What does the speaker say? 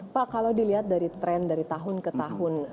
pak kalau dilihat dari tren dari tahun ke tahun